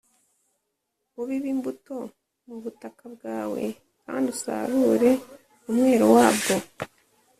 ubiba imbuto mu butaka bwawe kandi usarure umwero wabwo